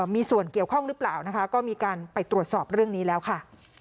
มีส่วนเกี่ยวข้องหรือเปล่านะคะก็มีการไปตรวจสอบเรื่องนี้แล้วค่ะ